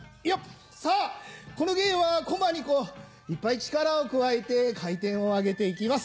さぁこの芸はこまにいっぱい力を加えて回転を上げて行きます。